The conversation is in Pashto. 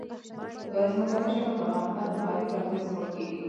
ځمکنی شکل د افغانستان د ښاري پراختیا سبب کېږي.